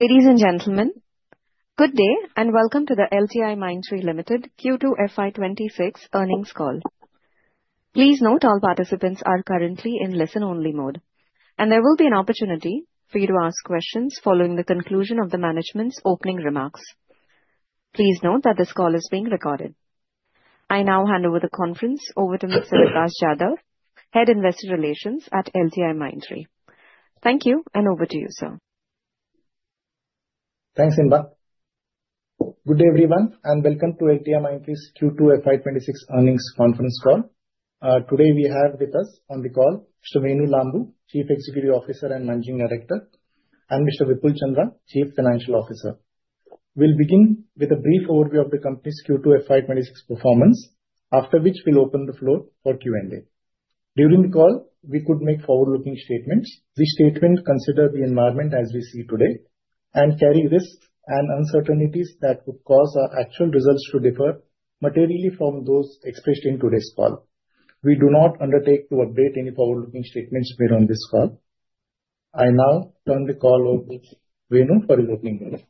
Ladies and gentlemen, good day and welcome to the LTIMindtree Limited Q2 FY 2026 Earnings Call. Please note all participants are currently in listen-only mode, and there will be an opportunity for you to ask questions following the conclusion of the management's opening remarks. Please note that this call is being recorded. I now hand over the conference to Mr. Vikas Jadhav, Head, Investor Relations at LTIMindtree. Thank you, and over to you, sir. Thanks, Inba. Good day, everyone, and welcome to LTIMindtree's Q2 FY 2026 Earnings Conference Call. Today we have with us on the call Mr. Venu Lambu, Chief Executive Officer and Managing Director, and Mr. Vipul Chandra, Chief Financial Officer. We'll begin with a brief overview of the company's Q2 FY 2026 performance, after which we'll open the floor for Q&A. During the call, we could make forward-looking statements. This statement considers the environment as we see today and carries risks and uncertainties that could cause our actual results to differ materially from those expressed in today's call. We do not undertake to update any forward-looking statements made on this call. I now turn the call over to Venu for his opening remarks.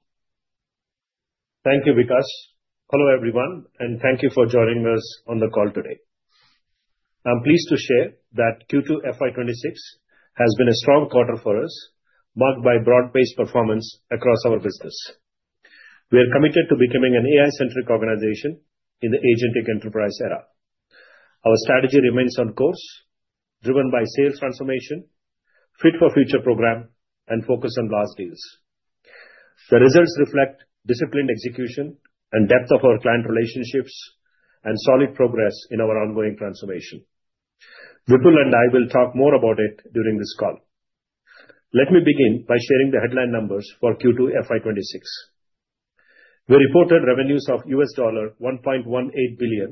Thank you, Vikas. Hello, everyone, and thank you for joining us on the call today. I'm pleased to share that Q2 FY 2026 has been a strong quarter for us, marked by broad-based performance across our business. We are committed to becoming an AI-centric organization in the Agentic Enterprise era. Our strategy remains on course, driven by sales transformation, Fit for Future program, and focus on last deals. The results reflect disciplined execution and depth of our client relationships and solid progress in our ongoing transformation. Vipul and I will talk more about it during this call. Let me begin by sharing the headline numbers for Q2 FY 2026. We reported revenues of $1.18 billion,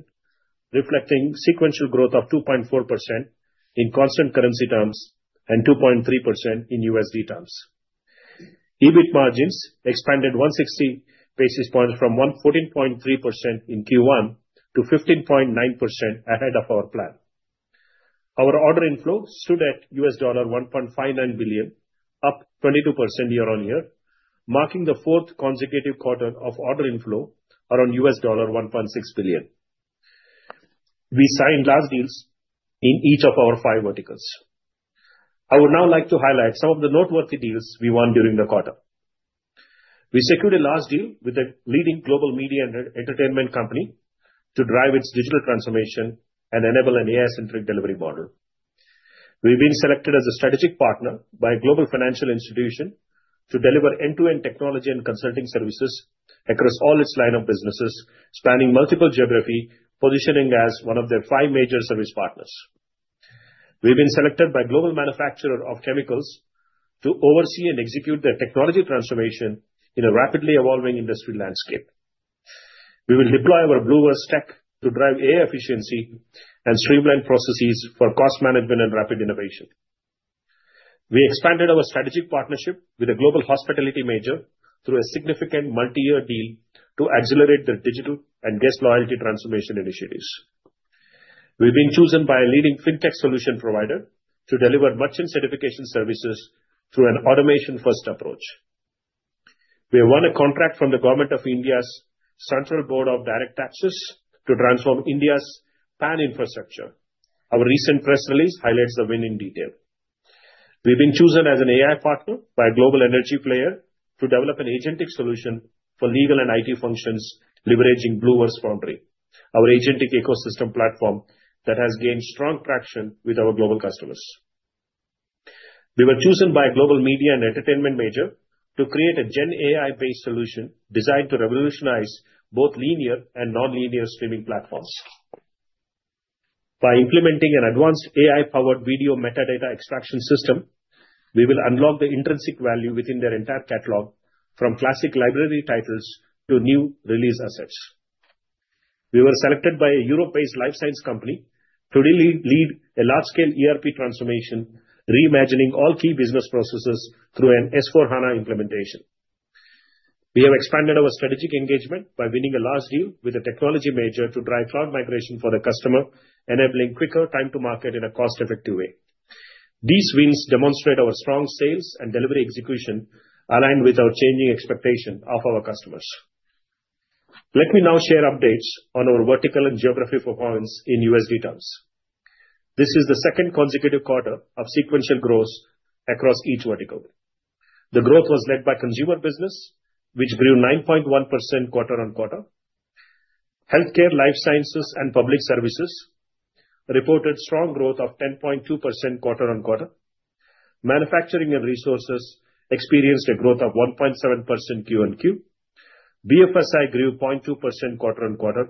reflecting sequential growth of 2.4% in constant currency terms and 2.3% in USD terms. EBIT margins expanded 160 basis points from 14.3% in Q1 to 15.9% ahead of our plan. Our order inflow stood at $1.59 billion, up 22% year-on-year, marking the fourth consecutive quarter of order inflow around $1.6 billion. We signed large deals in each of our five verticals. I would now like to highlight some of the noteworthy deals we won during the quarter. We secured a large deal with a leading global media and entertainment company to drive its digital transformation and enable an AI-centric delivery model. We've been selected as a strategic partner by a global financial institution to deliver end-to-end technology and consulting services across all its line of businesses, spanning multiple geographies, positioning as one of their five major service partners. We've been selected by a global manufacturer of chemicals to oversee and execute the technology transformation in a rapidly evolving industry landscape. We will deploy our BlueVerse tech to drive AI efficiency and streamline processes for cost management and rapid innovation. We expanded our strategic partnership with a global hospitality major through a significant multi-year deal to accelerate the digital and guest loyalty transformation initiatives. We've been chosen by a leading fintech solution provider to deliver merchant certification services through an automation-first approach. We have won a contract from the Government of India's Central Board of Direct Taxes to transform India's PAN infrastructure. Our recent press release highlights the win in detail. We've been chosen as an AI partner by a global energy player to develop an agentic solution for legal and IT functions, leveraging BlueVerse Foundry, our agentic ecosystem platform that has gained strong traction with our global customers. We were chosen by a global media and entertainment major to create a Gen AI-based solution designed to revolutionize both linear and non-linear streaming platforms. By implementing an advanced AI-powered video metadata extraction system, we will unlock the intrinsic value within their entire catalog, from classic library titles to new release assets. We were selected by a Europe-based life science company to lead a large-scale ERP transformation, reimagining all key business processes through an S/4HANA implementation. We have expanded our strategic engagement by winning a large deal with a technology major to drive cloud migration for the customer, enabling quicker time-to-market in a cost-effective way. These wins demonstrate our strong sales and delivery execution, aligned with our changing expectations of our customers. Let me now share updates on our vertical and geography performance in USD terms. This is the second consecutive quarter of sequential growth across each vertical. The growth was led by consumer business, which grew 9.1% quarter-on-quarter. Healthcare, Life Sciences, and Public Services reported strong growth of 10.2% quarter-on-quarter. Manufacturing and Resources experienced a growth of 1.7% Q-on-Q. BFSI grew 0.2% quarter-on-quarter,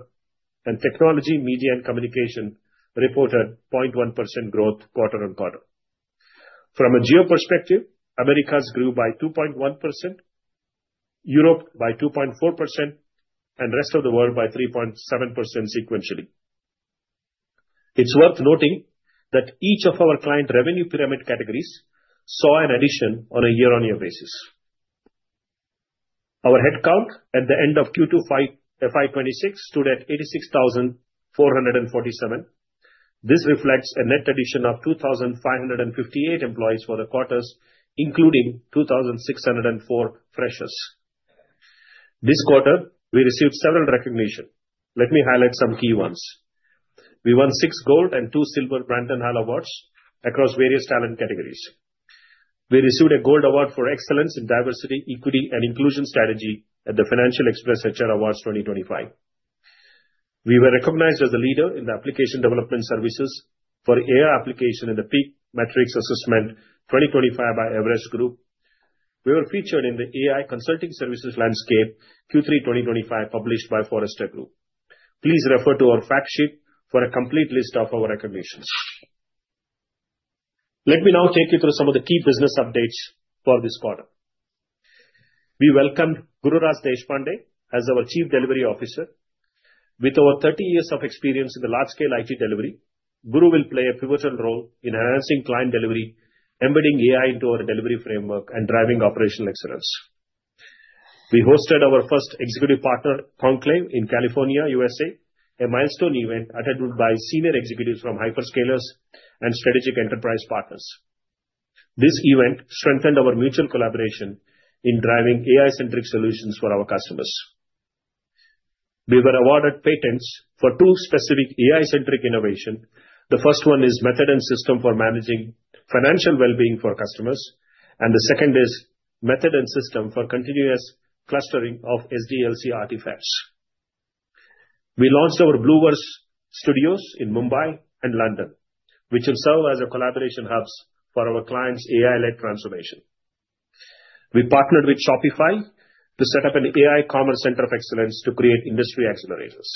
and Technology, Media, and Communication reported 0.1% growth quarter-on-quarter. From a geo perspective, Americas grew by 2.1%, Europe by 2.4%, and the rest of the world by 3.7% sequentially. It's worth noting that each of our client revenue pyramid categories saw an addition on a year-on-year basis. Our headcount at the end of Q2 FY 2026 stood at 86,447. This reflects a net addition of 2,558 employees for the quarters, including 2,604 freshers. This quarter, we received several recognitions. Let me highlight some key ones. We won six gold and two silver Brandon Hall awards across various talent categories. We received a gold award for excellence in diversity, equity, and inclusion strategy at the Financial Express HR Awards 2025. We were recognized as a leader in the application development services for AI application in the PEAK Matrix Assessment 2025 by Everest Group. We were featured in the AI Consulting Services Landscape Q3 2025 published by Forrester Group. Please refer to our fact sheet for a complete list of our recognitions. Let me now take you through some of the key business updates for this quarter. We welcomed Gururaj Deshpande as our Chief Delivery Officer. With over 30 years of experience in the large-scale IT delivery, Guru will play a pivotal role in enhancing client delivery, embedding AI into our delivery framework, and driving operational excellence. We hosted our first executive partner conclave in California, USA, a milestone event attended by senior executives from hyperscalers and strategic enterprise partners. This event strengthened our mutual collaboration in driving AI-centric solutions for our customers. We were awarded patents for two specific AI-centric innovations. The first one is a method and system for managing financial well-being for customers, and the second is a method and system for continuous clustering of SDLC artifacts. We launched our BlueVerse Studios in Mumbai and London, which will serve as collaboration hubs for our clients' AI-led transformation. We partnered with Shopify to set up an AI Commerce Center of Excellence to create industry accelerators.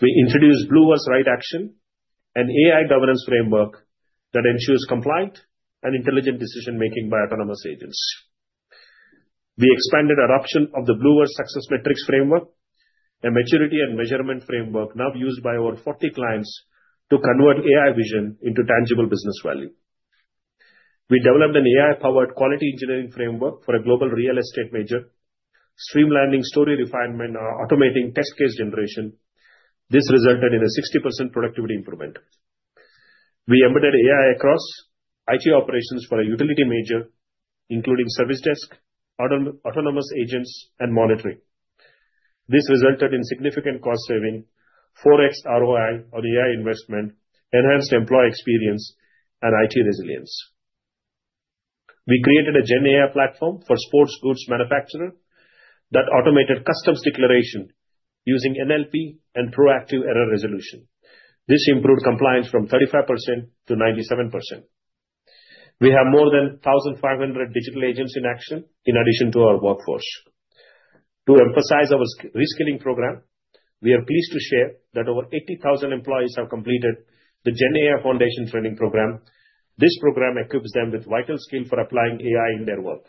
We introduced BlueVerse Right Action, an AI governance framework that ensures compliant and intelligent decision-making by autonomous agents. We expanded the adoption of the BlueVerse Success Metrics framework, a maturity and measurement framework now used by over 40 clients to convert AI vision into tangible business value. We developed an AI-powered quality engineering framework for a global real estate major, streamlining story refinement or automating test case generation. This resulted in a 60% productivity improvement. We embedded AI across IT operations for a utility major, including service desk, autonomous agents, and monitoring. This resulted in significant cost savings, 4x ROI on AI investment, enhanced employee experience, and IT resilience. We created a Gen AI platform for sports goods manufacturers that automated customs declaration using NLP and proactive error resolution. This improved compliance from 35% to 97%. We have more than 1,500 digital agents in action in addition to our workforce. To emphasize our reskilling program, we are pleased to share that over 80,000 employees have completed the Gen AI Foundation training program. This program equips them with vital skills for applying AI in their work.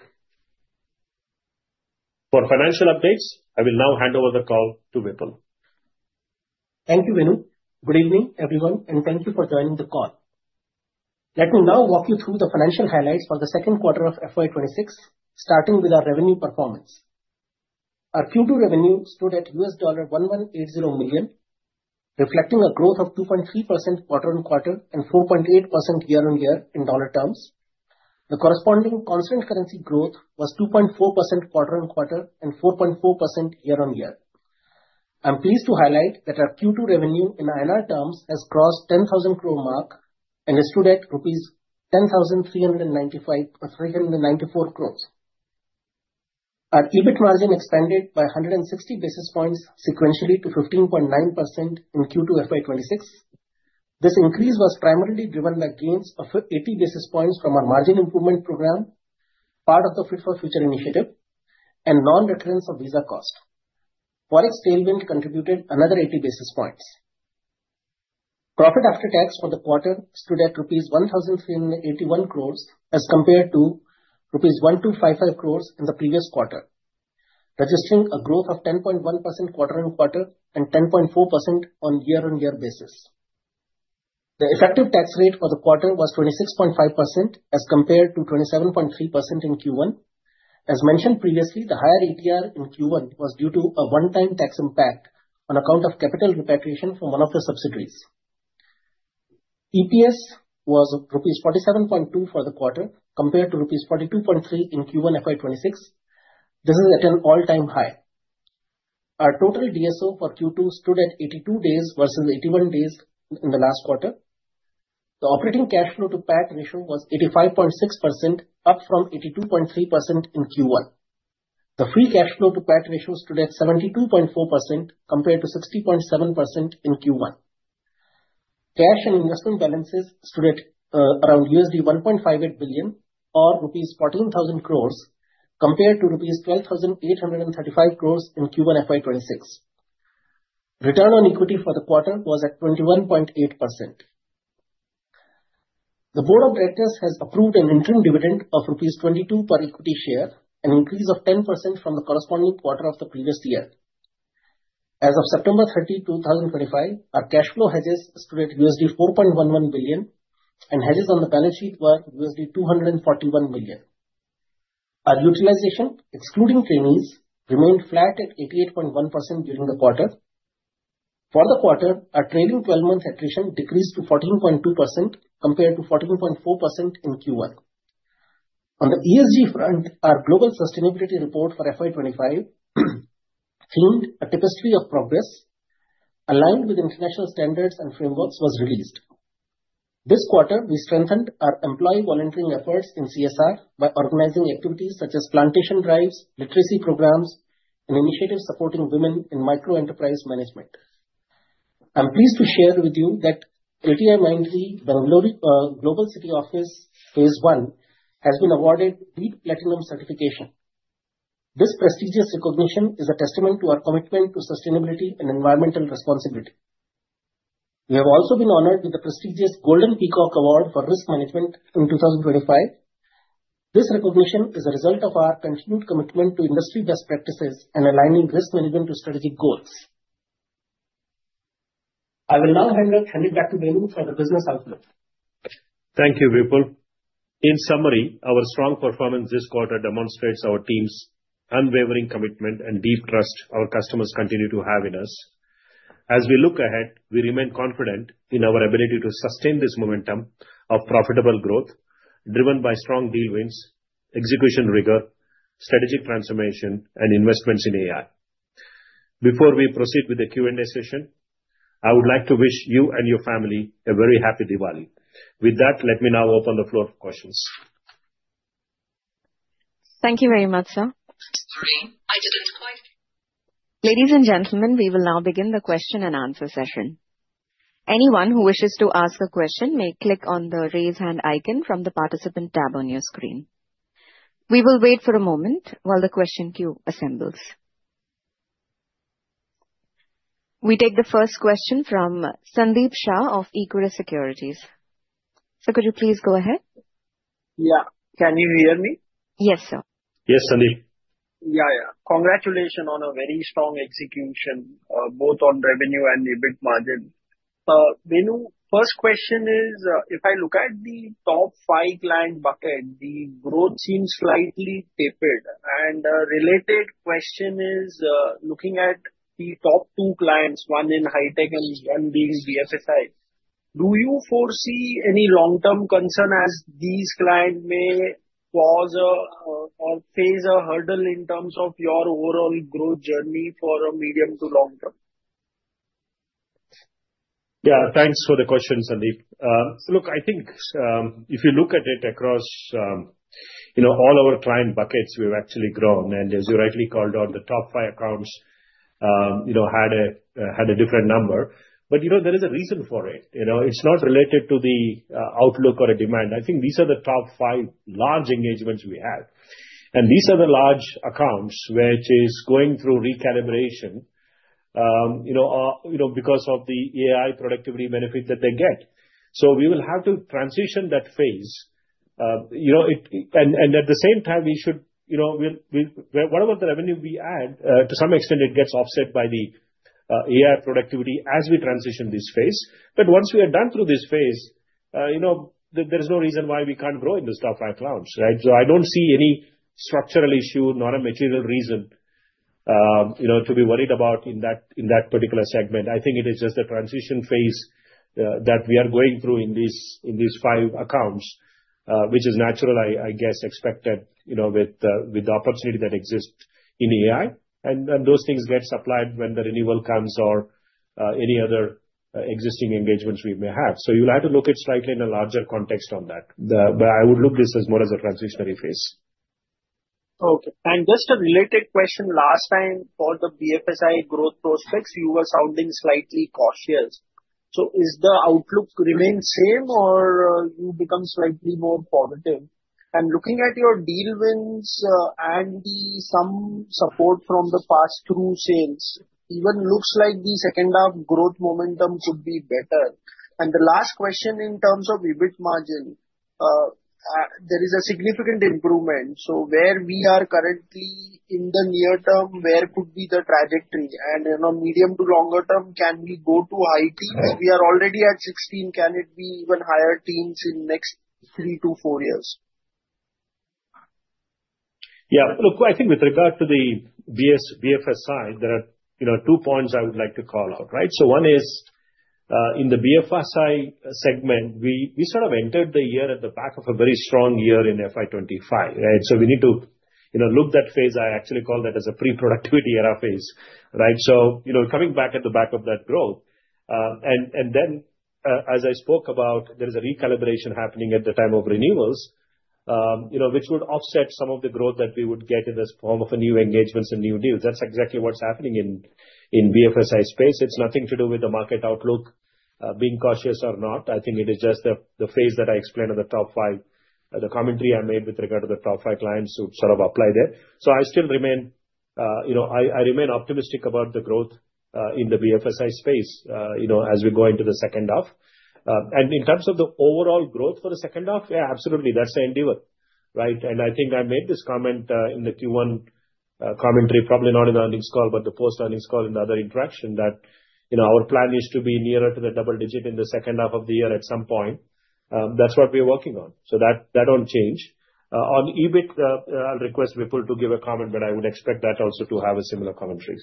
For financial updates, I will now hand over the call to Vipul. Thank you, Venu. Good evening, everyone, and thank you for joining the call. Let me now walk you through the financial highlights for the second quarter of FY 2026, starting with our revenue performance. Our Q2 revenue stood at $1,180 million, reflecting a growth of 2.3% quarter-on-quarter and 4.8% year-on-year in dollar terms. The corresponding constant currency growth was 2.4% quarter-on-quarter and 4.4% year-on-year. I'm pleased to highlight that our Q2 revenue in INR terms has crossed the 10,000 crore mark and is stood at rupees 10,394 crores. Our EBIT margin expanded by 160 basis points sequentially to 15.9% in Q2 FY 2026. This increase was primarily driven by gains of 80 basis points from our margin improvement program, part of the Fit for Future initiative, and non-recurrence of visa cost. Forex tailwind contributed another 80 basis points. Profit after tax for the quarter stood at rupees 1,381 crores as compared to rupees 1,255 crores in the previous quarter, registering a growth of 10.1% quarter-on-quarter and 10.4% on year-on-year basis. The effective tax rate for the quarter was 26.5% as compared to 27.3% in Q1. As mentioned previously, the higher ETR in Q1 was due to a one-time tax impact on account of capital repatriation from one of the subsidiaries. EPS was rupees 47.2 for the quarter compared to rupees 42.3 in Q1 FY 2026. This is at an all-time high. Our total DSO for Q2 stood at 82 days versus 81 days in the last quarter. The operating cash flow-to-PAT ratio was 85.6%, up from 82.3% in Q1. The free cash flow-to-PAT ratio stood at 72.4% compared to 60.7% in Q1. Cash and investment balances stood at around $1.58 billion or rupees 14,000 crores compared to rupees 12,835 crores in Q1 FY 2026. Return on equity for the quarter was at 21.8%. The Board of Directors has approved an interim dividend of 22 per equity share, an increase of 10% from the corresponding quarter of the previous year. As of September 30, 2025, our cash flow hedges stood at $4.11 billion, and hedges on the balance sheet were $241 million. Our utilization, excluding trainees, remained flat at 88.1% during the quarter. For the quarter, our trailing 12-month attrition decreased to 14.2% compared to 14.4% in Q1. On the ESG front, our global sustainability report for FY 2025, themed "A Tapestry of Progress," aligned with international standards and frameworks, was released. This quarter, we strengthened our employee volunteering efforts in CSR by organizing activities such as plantation drives, literacy programs, and initiatives supporting women in microenterprise management. I'm pleased to share with you that LTIMindtree Bangalore Global City Office Phase 1 has been awarded the LEED Platinum Certification. This prestigious recognition is a testament to our commitment to sustainability and environmental responsibility. We have also been honored with the prestigious Golden Peacock Award for Risk Management in 2025. This recognition is a result of our continued commitment to industry best practices and aligning risk management to strategic goals. I will now hand it back to Venu for the business outlook. Thank you, Vipul. In summary, our strong performance this quarter demonstrates our team's unwavering commitment and deep trust our customers continue to have in us. As we look ahead, we remain confident in our ability to sustain this momentum of profitable growth driven by strong deal wins, execution rigor, strategic transformation, and investments in AI. Before we proceed with the Q&A session, I would like to wish you and your family a very happy Diwali. With that, let me now open the floor for questions. Thank you very much, sir. Thanks, Narin. I didn't quite. Ladies and gentlemen, we will now begin the question-and-answer session. Anyone who wishes to ask a question may click on the raise hand icon from the participant tab on your screen. We will wait for a moment while the question queue assembles. We take the first question from Sandeep Shah of Equirus Securities. Sir, could you please go ahead? Yeah. Can you hear me? Yes, sir. Yes, Sandeep. Yeah, yeah. Congratulations on a very strong execution, both on revenue and EBIT margin. Venu, first question is, if I look at the top five client bucket, the growth seems slightly tapered, and a related question is, looking at the top two clients, one in high tech and one being BFSI, do you foresee any long-term concern as these clients may cause or face a hurdle in terms of your overall growth journey for a medium to long term? Yeah, thanks for the question, Sandeep. So look, I think if you look at it across all our client buckets, we've actually grown. And as you rightly called out, the top five accounts had a different number. But there is a reason for it. It's not related to the outlook or demand. I think these are the top five large engagements we have. And these are the large accounts which are going through recalibration because of the AI productivity benefit that they get. So we will have to transition that phase. And at the same time, we should, whatever the revenue we add, to some extent, it gets offset by the AI productivity as we transition this phase. But once we are done through this phase, there is no reason why we can't grow in the top five clients, right? So I don't see any structural issue, not a material reason to be worried about in that particular segment. I think it is just the transition phase that we are going through in these five accounts, which is natural, I guess, expected with the opportunity that exists in AI. And those things get supplied when the renewal comes or any other existing engagements we may have. So you'll have to look at it slightly in a larger context on that. But I would look at this as more as a transitionary phase. Okay. And just a related question. Last time, for the BFSI growth prospects, you were sounding slightly cautious. So is the outlook remained same or you become slightly more positive? And looking at your deal wins and some support from the pass-through sales, even looks like the second-half growth momentum could be better. And the last question in terms of EBIT margin, there is a significant improvement. So where we are currently in the near term, where could be the trajectory? And in a medium to longer term, can we go to high teens? We are already at 16. Can it be even higher teens in the next three to four years? Yeah. Look, I think with regard to the BFSI, there are two points I would like to call out, right? So one is in the BFSI segment, we sort of entered the year at the back of a very strong year in FY 2025, right? So we need to look at that phase. I actually call that as a pre-productivity era phase, right? So coming back at the back of that growth. And then, as I spoke about, there is a recalibration happening at the time of renewals, which would offset some of the growth that we would get in the form of new engagements and new deals. That's exactly what's happening in BFSI space. It's nothing to do with the market outlook being cautious or not. I think it is just the phase that I explained on the top five. The commentary I made with regard to the top five clients would sort of apply there. So I still remain, I remain optimistic about the growth in the BFSI space as we go into the second half. And in terms of the overall growth for the second half, yeah, absolutely. That's the endeavor, right? And I think I made this comment in the Q1 commentary, probably not in the earnings call, but the post-earnings call and other interaction that our plan is to be nearer to the double digit in the second half of the year at some point. That's what we are working on. So that won't change. On EBIT, I'll request Vipul to give a comment, but I would expect that also to have a similar commentary.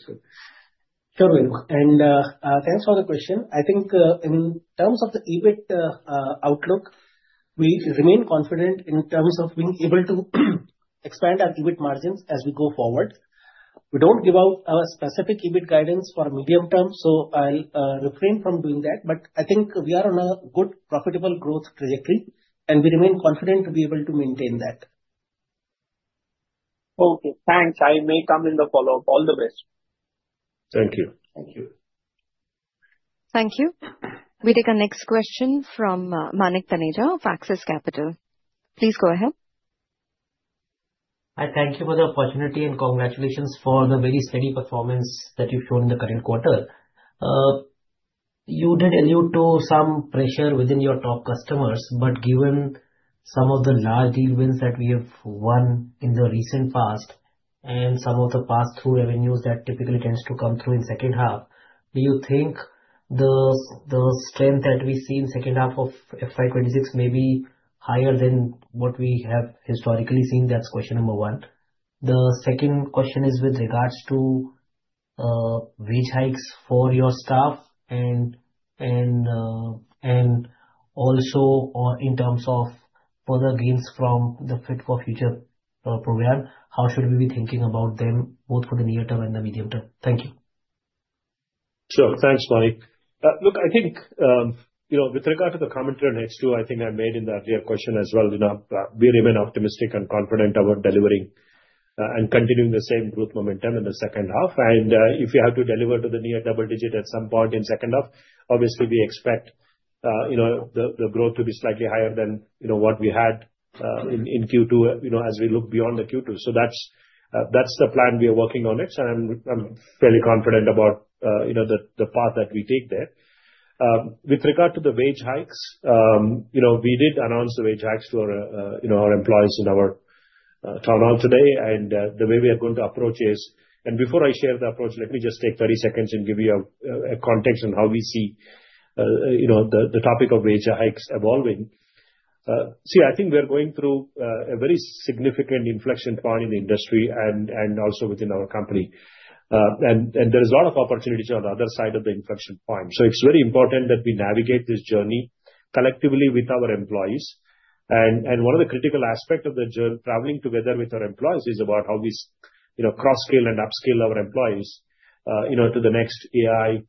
Sure. And thanks for the question. I think in terms of the EBIT outlook, we remain confident in terms of being able to expand our EBIT margins as we go forward. We don't give out a specific EBIT guidance for medium term, so I'll refrain from doing that. But I think we are on a good profitable growth trajectory, and we remain confident to be able to maintain that. Okay. Thanks. I may come in the follow-up. All the best. Thank you. Thank you. Thank you. We take our next question from Manik Taneja of Axis Capital. Please go ahead. Hi. Thank you for the opportunity and congratulations for the very steady performance that you've shown in the current quarter. You did allude to some pressure within your top customers. But given some of the large deal wins that we have won in the recent past and some of the pass-through revenues that typically tend to come through in the second half, do you think the strength that we see in the second half of FY 2026 may be higher than what we have historically seen? That's question number one. The second question is with regards to wage hikes for your staff and also in terms of further gains from the Fit for Future program. How should we be thinking about them, both for the near term and the medium term? Thank you. Sure. Thanks, Manik. Look, I think with regard to the commentary on H2, I think I made in the earlier question as well, we remain optimistic and confident about delivering and continuing the same growth momentum in the second half, and if we have to deliver to the near double-digit at some point in the second half, obviously, we expect the growth to be slightly higher than what we had in Q2 as we look beyond the Q2, so that's the plan we are working on, so I'm fairly confident about the path that we take there. With regard to the wage hikes, we did announce the wage hikes to our employees in our Town Hall today. The way we are going to approach is, and before I share the approach, let me just take 30 seconds and give you a context on how we see the topic of wage hikes evolving. See, I think we are going through a very significant inflection point in the industry and also within our company. There is a lot of opportunities on the other side of the inflection point. It's very important that we navigate this journey collectively with our employees. One of the critical aspects of the journey traveling together with our employees is about how we cross-scale and upscale our employees to the next AI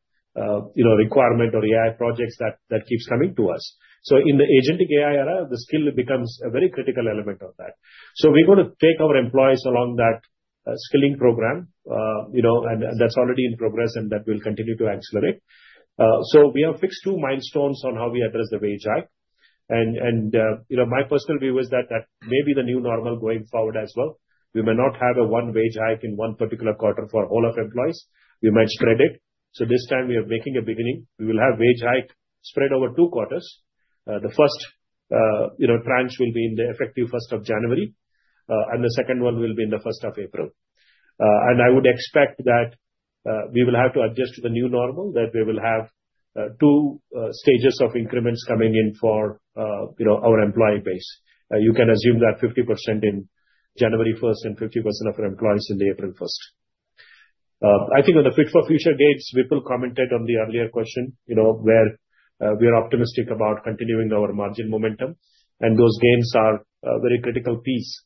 requirement or AI projects that keeps coming to us. In the Agentic AI era, the skill becomes a very critical element of that. So we're going to take our employees along that skilling program, and that's already in progress, and that will continue to accelerate. So we have fixed two milestones on how we address the wage hike. And my personal view is that that may be the new normal going forward as well. We may not have a one wage hike in one particular quarter for all of employees. We might spread it. So this time, we are making a beginning. We will have wage hike spread over two quarters. The first tranche will be in the effective 1st of January, and the second one will be in the 1st of April. And I would expect that we will have to adjust to the new normal that we will have two stages of increments coming in for our employee base. You can assume that 50% in January 1st and 50% of our employees in the April 1st. I think on the Fit for Future dates, Vipul commented on the earlier question where we are optimistic about continuing our margin momentum, and those gains are a very critical piece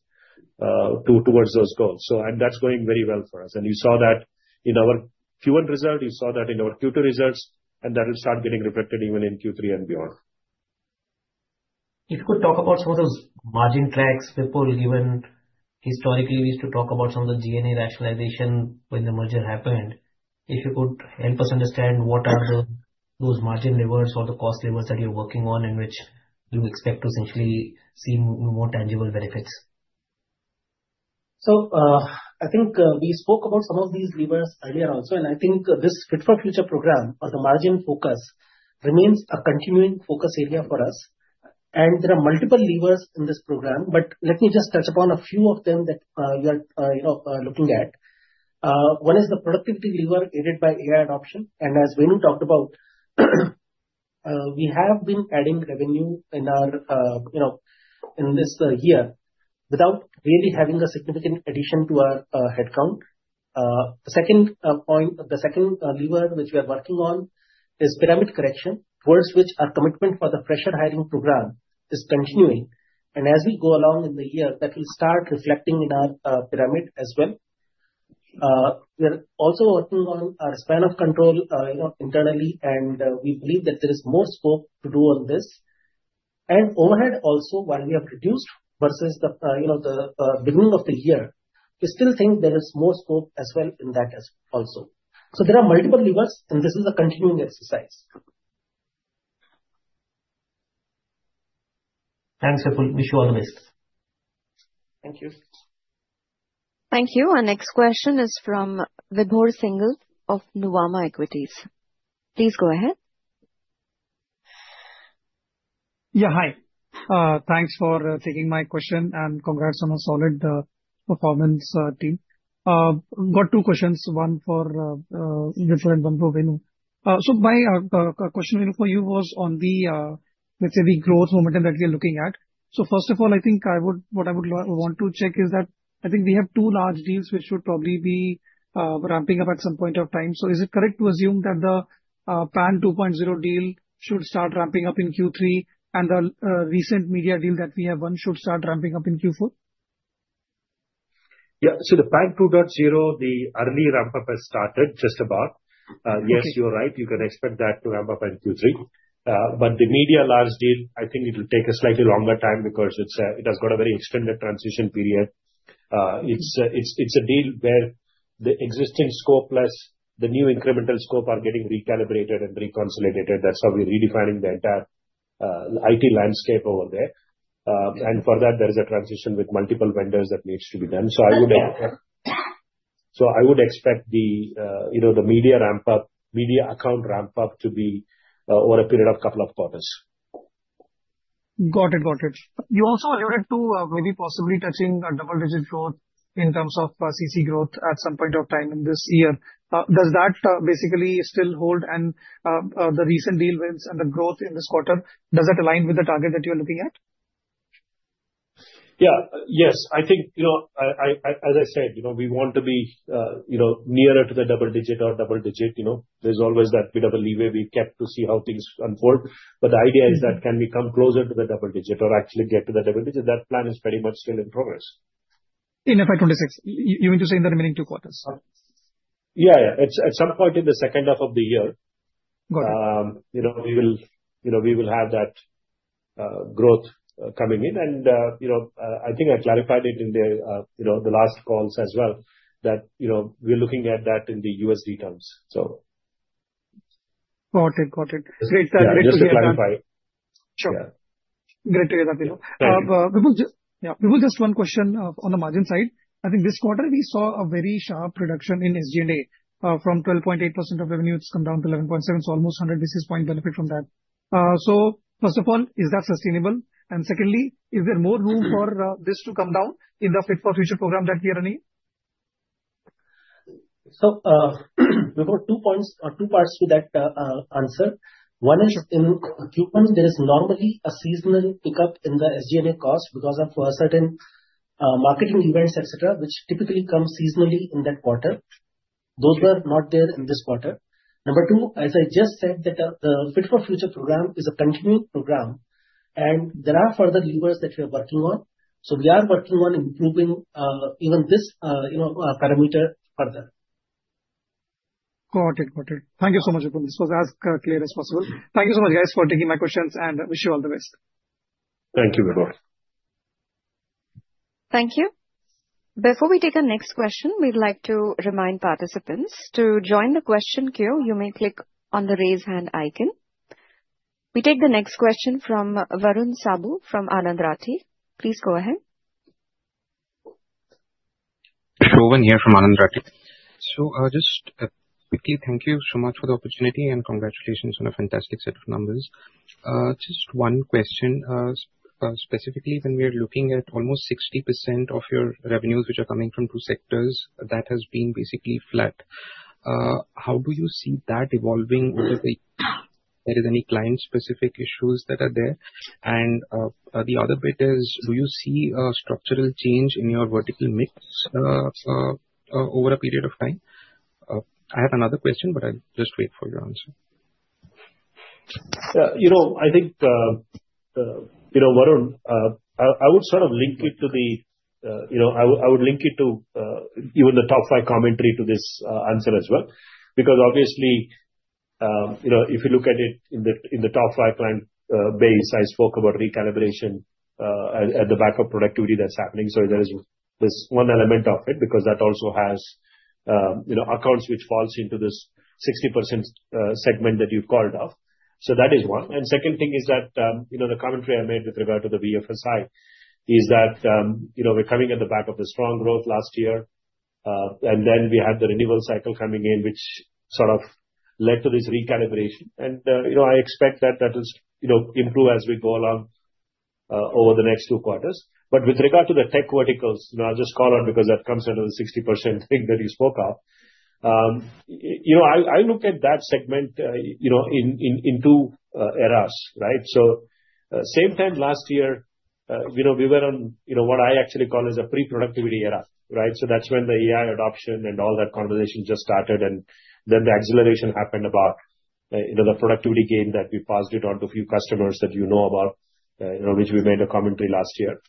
towards those goals, and that's going very well for us, and you saw that in our Q1 result, you saw that in our Q2 results, and that will start getting reflected even in Q3 and beyond. If you could talk about some of those margin cracks, Vipul, given historically we used to talk about some of the G&A rationalization when the merger happened, if you could help us understand what are those margin levers or the cost levers that you're working on and which you expect to essentially see more tangible benefits. So I think we spoke about some of these levers earlier also. And I think this Fit for Future program or the margin focus remains a continuing focus area for us. And there are multiple levers in this program. But let me just touch upon a few of them that you are looking at. One is the productivity lever aided by AI adoption. And as Venu talked about, we have been adding revenue in this year without really having a significant addition to our headcount. The second point, the second lever which we are working on is pyramid correction, towards which our commitment for the fresher hiring program is continuing. And as we go along in the year, that will start reflecting in our pyramid as well. We are also working on our span of control internally, and we believe that there is more scope to do on this. And overhead also, while we have reduced versus the beginning of the year, we still think there is more scope as well in that also. So there are multiple levers, and this is a continuing exercise. Thanks, Vipul. Wish you all the best. Thank you. Thank you. Our next question is from Vibhor Singhal of Nuvama Equities. Please go ahead. Yeah, hi. Thanks for taking my question and congrats on a solid performance, team. Got two questions, one for Vipul and one for Venu. So my question, Venu, for you was on the, let's say, the growth momentum that we are looking at. So first of all, I think what I would want to check is that I think we have two large deals which should probably be ramping up at some point of time. So is it correct to assume that the PAN 2.0 deal should start ramping up in Q3 and the recent media deal that we have won should start ramping up in Q4? Yeah. So the PAN 2.0, the early ramp-up has started just about. Yes, you're right. You can expect that to ramp up in Q3. But the media large deal, I think it will take a slightly longer time because it has got a very extended transition period. It's a deal where the existing scope plus the new incremental scope are getting recalibrated and reconsolidated. That's how we're redefining the entire IT landscape over there. And for that, there is a transition with multiple vendors that needs to be done. So I would expect the media account ramp-up to be over a period of a couple of quarters. Got it. Got it. You also alluded to maybe possibly touching double-digit growth in terms of CC growth at some point of time in this year. Does that basically still hold? And the recent deal wins and the growth in this quarter, does that align with the target that you're looking at? Yeah. Yes. I think, as I said, we want to be nearer to the double digit or double digit. There's always that bit of a leeway we kept to see how things unfold. But the idea is that can we come closer to the double digit or actually get to the double digit? That plan is pretty much still in progress. In FY 2026? You mean to say in the remaining two quarters? Yeah. At some point in the second half of the year, we will have that growth coming in, and I think I clarified it in the last calls as well that we're looking at that in the USD terms, so. Got it. Got it. Great. Thank you. I just wanted to clarify it. Sure. Yeah. Great to hear that, Vinu. Vipul, just one question on the margin side. I think this quarter, we saw a very sharp reduction in SG&A from 12.8% of revenue. It's come down to 11.7%, so almost 100 basis points benefit from that. So first of all, is that sustainable? And secondly, is there more room for this to come down in the Fit for Future program that we are running? So Vibhor, we've got two parts to that answer. One is in Q1, there is normally a seasonal pickup in the SG&A cost because of certain marketing events, etc., which typically come seasonally in that quarter. Those were not there in this quarter. Number two, as I just said, that the Fit for Future program is a continuing program, and there are further levers that we are working on. So we are working on improving even this parameter further. Got it. Got it. Thank you so much, Vipul. This was as clear as possible. Thank you so much, guys, for taking my questions, and I wish you all the best. Thank you, Vibhor. Thank you. Before we take our next question, we'd like to remind participants to join the question queue. You may click on the raise hand icon. We take the next question from Varun Saboo from Anand Rathi. Please go ahead. Sushovon here from Anand Rathi. So just quickly, thank you so much for the opportunity and congratulations on a fantastic set of numbers. Just one question. Specifically, when we are looking at almost 60% of your revenues which are coming from two sectors, that has been basically flat. How do you see that evolving over the year? Are there any client-specific issues that are there? And the other bit is, do you see a structural change in your vertical mix over a period of time? I have another question, but I'll just wait for your answer. Yeah. I think Varun, I would sort of link it to even the top five commentary to this answer as well. Because obviously, if you look at it in the top five client base, I spoke about recalibration at the back of productivity that's happening. So there is this one element of it because that also has accounts which falls into this 60% segment that you've called off. So that is one. And second thing is that the commentary I made with regard to the BFSI is that we're coming at the back of the strong growth last year. And then we had the renewal cycle coming in, which sort of led to this recalibration. And I expect that that will improve as we go along over the next two quarters. But with regard to the tech verticals, I'll just call on because that comes under the 60% thing that you spoke of. I look at that segment in two eras, right? So same time last year, we were on what I actually call as a pre-productivity era, right? So that's when the AI adoption and all that conversation just started. And then the acceleration happened about the productivity gain that we passed it on to a few customers that you know about, which we made a commentary last year.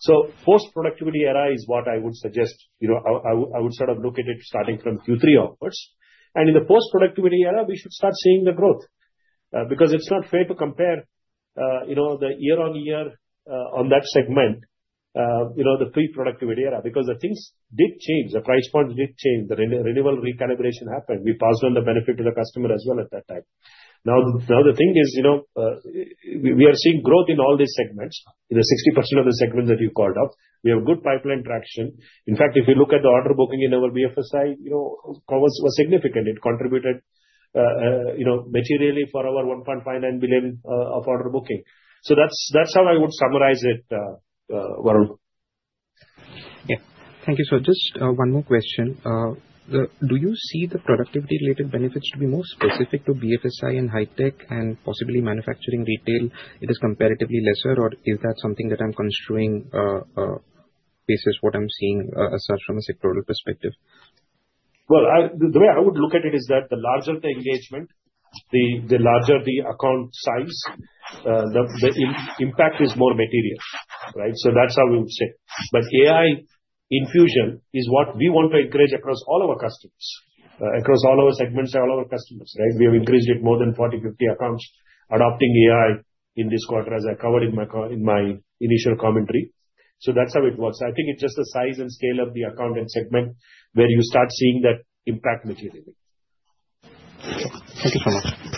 So post-productivity era is what I would suggest. I would sort of look at it starting from Q3 upwards. And in the post-productivity era, we should start seeing the growth because it's not fair to compare the year-on-year on that segment, the pre-productivity era, because the things did change. The price points did change. The renewal recalibration happened. We passed on the benefit to the customer as well at that time. Now the thing is, we are seeing growth in all these segments, in the 60% of the segment that you called out. We have good pipeline traction. In fact, if you look at the order booking in our BFSI, it was significant. It contributed materially for our $1.59 billion of order booking. So that's how I would summarize it, Varun. Yeah. Thank you, so just one more question. Do you see the productivity-related benefits to be more specific to BFSI and high-tech and possibly manufacturing retail? It is comparatively lesser, or is that something that I'm construing basis what I'm seeing as such from a sectoral perspective? The way I would look at it is that the larger the engagement, the larger the account size, the impact is more material, right? So that's how we would say. But AI infusion is what we want to encourage across all our customers, across all our segments, all our customers, right? We have increased it more than 40-50 accounts adopting AI in this quarter, as I covered in my initial commentary. So that's how it works. I think it's just the size and scale of the account and segment where you start seeing that impact materially. Thank you so much.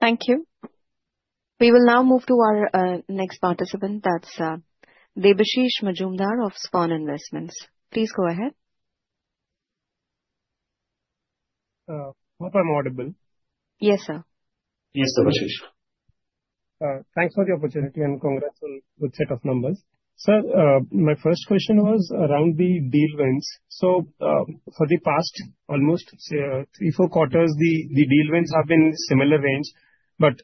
Thank you. We will now move to our next participant. That's Debashish Mazumdar of SVAN Investments. Please go ahead. Hi, am I audible?. Yes, sir. Yes, Debashish. Thanks for the opportunity and congrats on the good set of numbers. Sir, my first question was around the deal wins. So for the past almost three, four quarters, the deal wins have been in similar range, but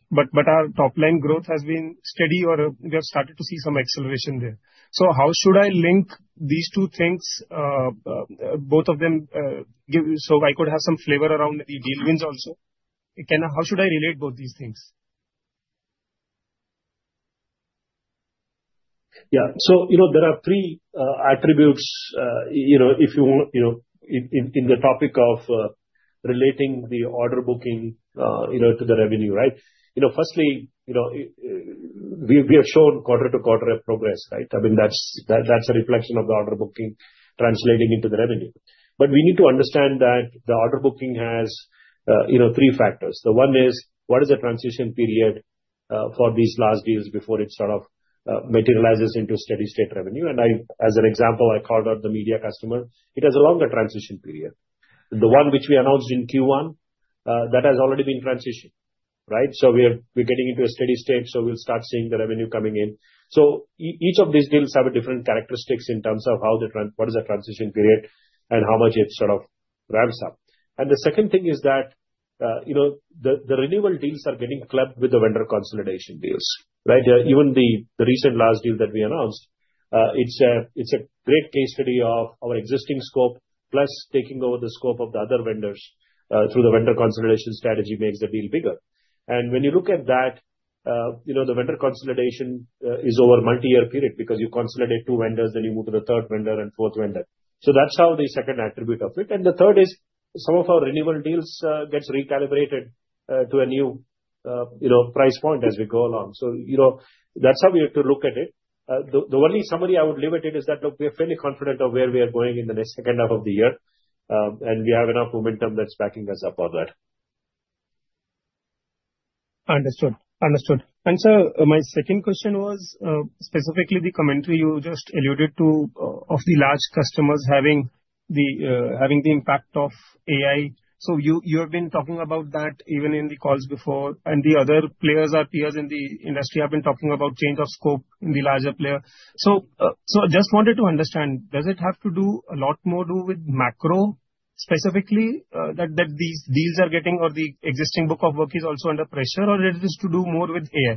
our top-line growth has been steady, or we have started to see some acceleration there. So how should I link these two things, both of them, so I could have some flavor around the deal wins also? How should I relate both these things? Yeah. So there are three attributes if you want in the topic of relating the order booking to the revenue, right? Firstly, we have shown quarter-to-quarter progress, right? I mean, that's a reflection of the order booking translating into the revenue. But we need to understand that the order booking has three factors. The one is, what is the transition period for these large deals before it sort of materializes into steady-state revenue? And as an example, I called out the media customer. It has a longer transition period. The one which we announced in Q1, that has already been transitioned, right? So we're getting into a steady state, so we'll start seeing the revenue coming in. So each of these deals have different characteristics in terms of what is the transition period and how much it sort of ramps up. And the second thing is that the renewal deals are getting clubbed with the vendor consolidation deals, right? Even the recent large deal that we announced, it's a great case study of our existing scope, plus taking over the scope of the other vendors through the vendor consolidation strategy makes the deal bigger. And when you look at that, the vendor consolidation is over a multi-year period because you consolidate two vendors, then you move to the third vendor and fourth vendor. So that's how the second attribute of it. And the third is some of our renewal deals get recalibrated to a new price point as we go along. So that's how we have to look at it. The only summary I would leave with it is that, look, we are fairly confident of where we are going in the next second half of the year, and we have enough momentum that's backing us up on that. Understood. Understood, and sir, my second question was specifically the commentary you just alluded to of the large customers having the impact of AI, so you have been talking about that even in the calls before, and the other players or peers in the industry have been talking about change of scope in the larger player, so I just wanted to understand, does it have to do a lot more to do with macro specifically that these deals are getting, or the existing book of work is also under pressure, or is this to do more with AI?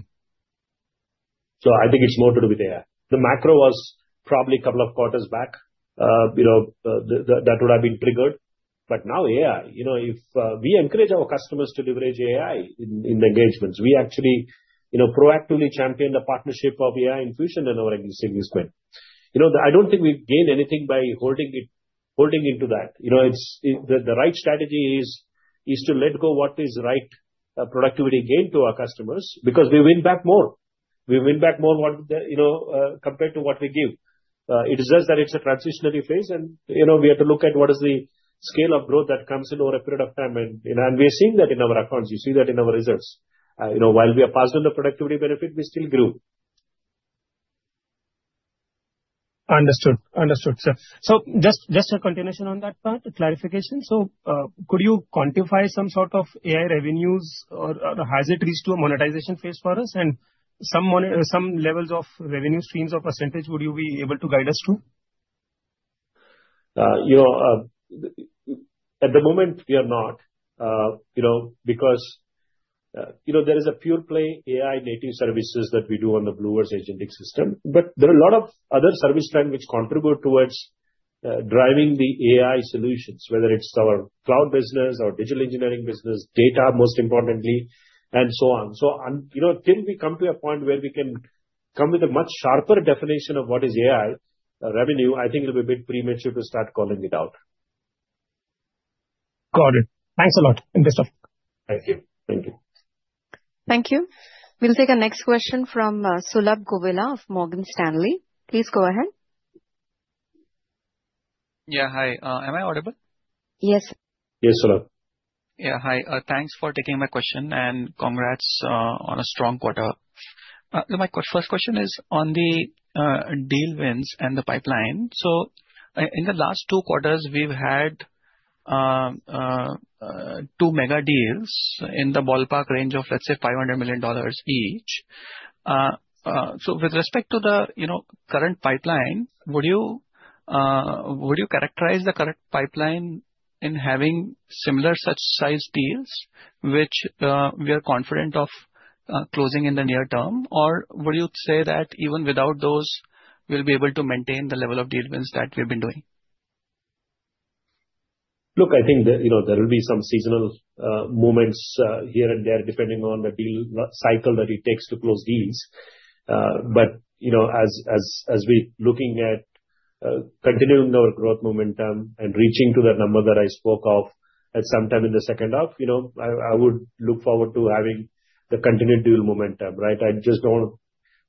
So, I think it's more to do with AI. The macro was probably a couple of quarters back that would have been triggered. But now, yeah, if we encourage our customers to leverage AI in the engagements, we actually proactively champion the partnership of AI infusion and our existing investment. I don't think we gain anything by holding into that. The right strategy is to let go what is right productivity gain to our customers because we win back more. We win back more compared to what we give. It is just that it's a transitionary phase, and we have to look at what is the scale of growth that comes in over a period of time. And we are seeing that in our accounts. You see that in our results. While we are passed on the productivity benefit, we still grew. Understood. Understood, sir. So just a continuation on that part, clarification. So could you quantify some sort of AI revenues, or has it reached a monetization phase for us? And some levels of revenue streams or percentage, would you be able to guide us through? At the moment, we are not because there is a pure-play AI native services that we do on the BlueVerse agentic system. But there are a lot of other service trends which contribute towards driving the AI solutions, whether it's our cloud business or digital engineering business, data most importantly, and so on. So till we come to a point where we can come with a much sharper definition of what is AI revenue, I think it'll be a bit premature to start calling it out. Got it. Thanks a lot. Interesting. Thank you. Thank you. Thank you. We'll take a next question from Sulabh Govila of Morgan Stanley. Please go ahead. Yeah. Hi. Am I audible? Yes. Yes, Sulabh. Yeah. Hi. Thanks for taking my question and congrats on a strong quarter. My first question is on the deal wins and the pipeline. So in the last two quarters, we've had two mega deals in the ballpark range of, let's say, $500 million each. So with respect to the current pipeline, would you characterize the current pipeline in having similar such-sized deals which we are confident of closing in the near term, or would you say that even without those, we'll be able to maintain the level of deal wins that we've been doing? Look, I think there will be some seasonal moments here and there depending on the deal cycle that it takes to close deals, but as we're looking at continuing our growth momentum and reaching to that number that I spoke of at some time in the second half, I would look forward to having the continued deal momentum, right? I just don't want to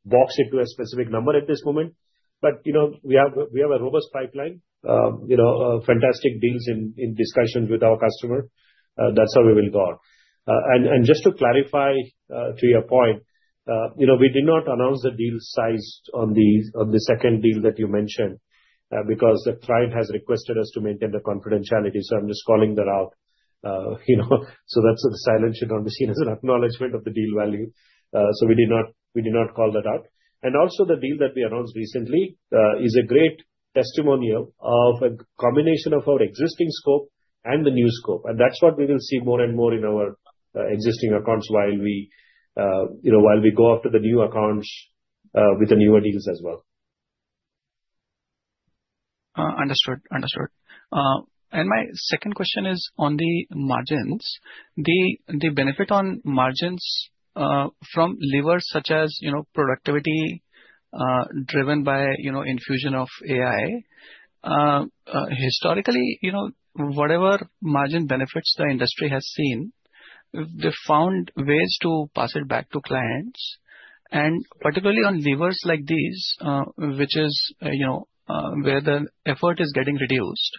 box it to a specific number at this moment, but we have a robust pipeline, fantastic deals in discussions with our customer. That's how we will go, and just to clarify to your point, we did not announce the deal size on the second deal that you mentioned because the client has requested us to maintain the confidentiality, so I'm just calling that out, so that's the silent shit on the scene as an acknowledgment of the deal value, so we did not call that out. And also, the deal that we announced recently is a great testimonial of a combination of our existing scope and the new scope. And that's what we will see more and more in our existing accounts while we go after the new accounts with the newer deals as well. Understood. Understood. And my second question is on the margins. The benefit on margins from levers such as productivity driven by infusion of AI. Historically, whatever margin benefits the industry has seen, they've found ways to pass it back to clients. And particularly on levers like these, which is where the effort is getting reduced,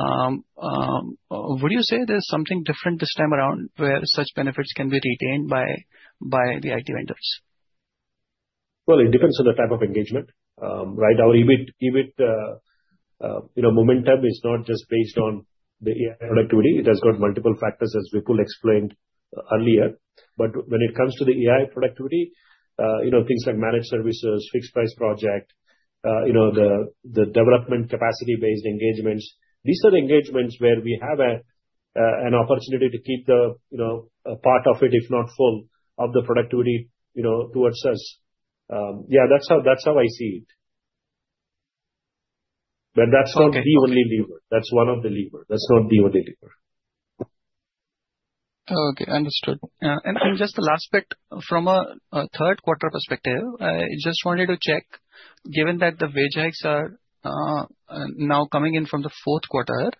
would you say there's something different this time around where such benefits can be retained by the IT vendors? It depends on the type of engagement, right? Our EBIT momentum is not just based on the AI productivity. It has got multiple factors, as Vipul explained earlier. But when it comes to the AI productivity, things like managed services, fixed-price project, the development capacity-based engagements, these are the engagements where we have an opportunity to keep a part of it, if not full, of the productivity towards us. Yeah, that's how I see it. But that's not the only lever. That's one of the levers. That's not the only lever. Okay. Understood. And just the last bit, from a third-quarter perspective, I just wanted to check, given that the wage hikes are now coming in from the fourth quarter,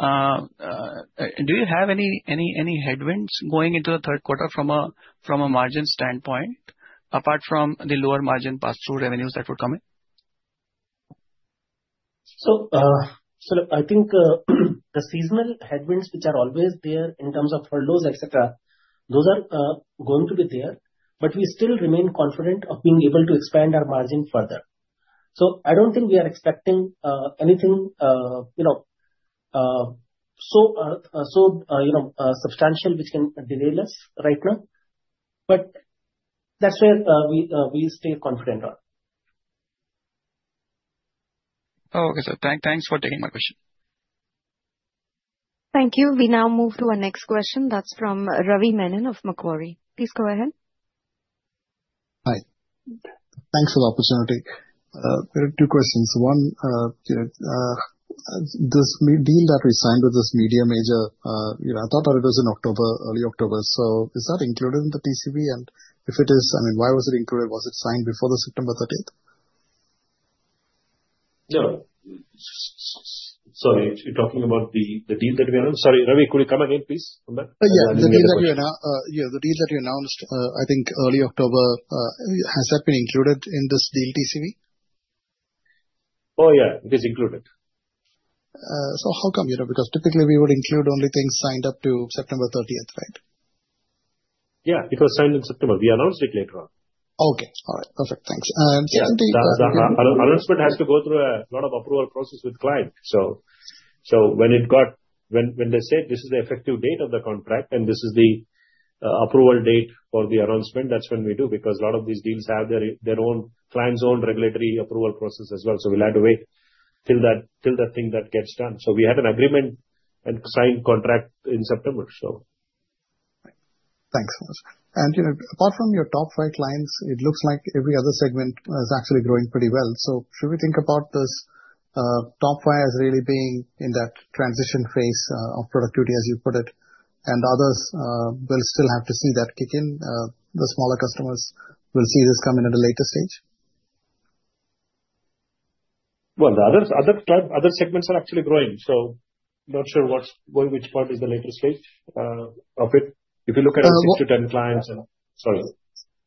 do you have any headwinds going into the third quarter from a margin standpoint, apart from the lower margin pass-through revenues that would come in? So I think the seasonal headwinds, which are always there in terms of furloughs, etc., those are going to be there. But we still remain confident of being able to expand our margin further. So I don't think we are expecting anything so substantial which can derail us right now. But that's where we stay confident on. Okay, sir. Thanks for taking my question. Thank you. We now move to our next question. That's from Ravi Menon of Macquarie. Please go ahead. Hi. Thanks for the opportunity. Two questions. One, this deal that we signed with this media major, I thought it was in October, early October. So is that included in the TCV? And if it is, I mean, why was it included? Was it signed before the September 30th? No. Sorry. You're talking about the deal that we announced? Sorry, Ravi, could you come again, please, on that? Yeah. The deal that we announced, I think early October, has that been included in this deal TCV? Oh, yeah. It is included. So how come? Because typically, we would include only things signed up to September 30th, right? Yeah. It was signed in September. We announced it later on. Okay. All right. Perfect. Thanks. And secondly, that. The announcement has to go through a lot of approval process with clients, so when they said, "This is the effective date of the contract, and this is the approval date for the announcement," that's when we do because a lot of these deals have their own client's own regulatory approval process as well, so we'll have to wait till that thing that gets done, so we had an agreement and signed contract in September, so. Thanks. And apart from your top five clients, it looks like every other segment is actually growing pretty well. So should we think about this top five as really being in that transition phase of productivity, as you put it, and others will still have to see that kick in? The smaller customers will see this come in at a later stage? Well, other segments are actually growing. So not sure which part is the later stage of it. If you look at our 6-10 clients and sorry.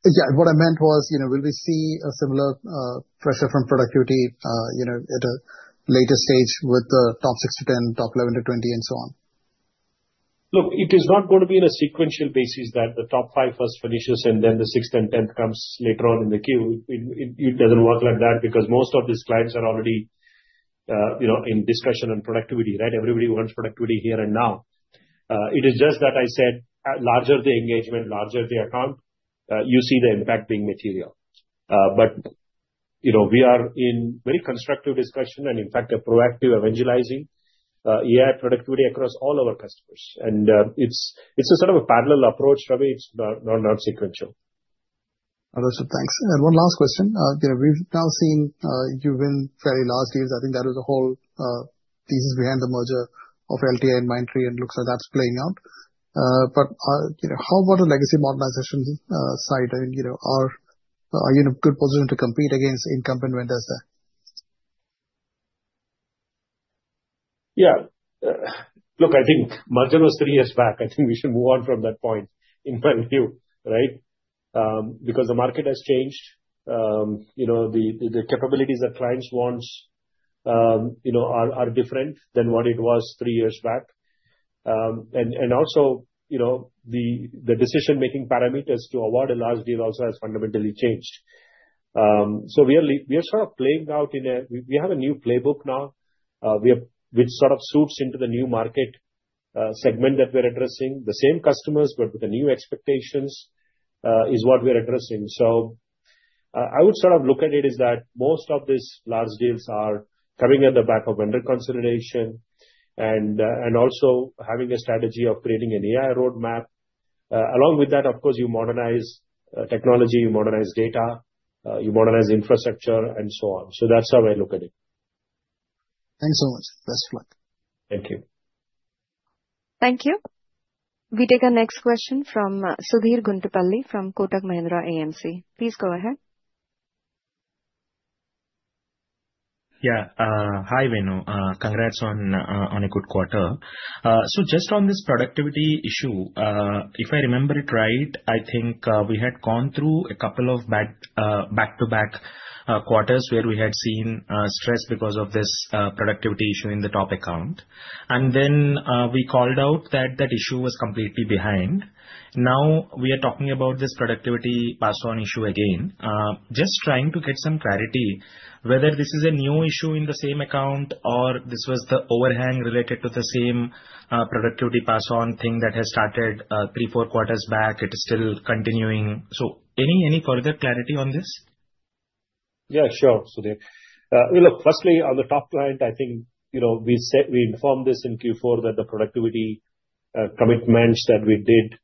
Yeah. What I meant was, will we see a similar pressure from productivity at a later stage with the top 6 to 10, top 11 to 20, and so on? Look, it is not going to be in a sequential basis that the top five first finishes and then the 6th and 10th comes later on in the queue. It doesn't work like that because most of these clients are already in discussion on productivity, right? Everybody wants productivity here and now. It is just that I said, larger the engagement, larger the account, you see the impact being material. But we are in very constructive discussion and, in fact, a proactive evangelizing AI productivity across all our customers, and it's a sort of a parallel approach, but it's not sequential. Understood. Thanks. And one last question. We've now seen you win fairly large deals. I think that was the whole thesis behind the merger of LTI and Mindtree, and it looks like that's playing out. But how about the legacy modernization side? I mean, are you in a good position to compete against incumbent vendors there? Yeah. Look, I think merger was three years back. I think we should move on from that point in my view, right? Because the market has changed. The capabilities that clients want are different than what it was three years back. And also, the decision-making parameters to award a large deal also has fundamentally changed. So we are sort of playing out in a we have a new playbook now, which sort of suits into the new market segment that we're addressing. The same customers, but with the new expectations is what we're addressing. So I would sort of look at it as that most of these large deals are coming at the back of vendor consolidation and also having a strategy of creating an AI roadmap. Along with that, of course, you modernize technology, you modernize data, you modernize infrastructure, and so on. So that's how I look at it. Thanks so much. Best of luck. Thank you. Thank you. We take our next question from Sudheer Guntupalli from Kotak Mahindra AMC. Please go ahead. Yeah. Hi, Venu. Congrats on a good quarter. So just on this productivity issue, if I remember it right, I think we had gone through a couple of back-to-back quarters where we had seen stress because of this productivity issue in the top account. And then we called out that that issue was completely behind. Now we are talking about this productivity pass-on issue again. Just trying to get some clarity whether this is a new issue in the same account or this was the overhang related to the same productivity pass-on thing that has started three, four quarters back. It is still continuing. So any further clarity on this? Yeah, sure, Sudheer. Look, firstly, on the top client, I think we informed this in Q4 that the productivity commitments that we did